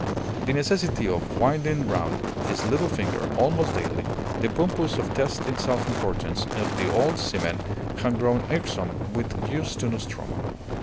The necessity of winding round his little finger, almost daily, the pompous and testy self importance of the old seaman had grown irksome with use to Nostromo.